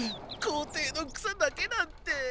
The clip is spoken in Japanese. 校庭の草だけなんて。